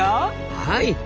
はい。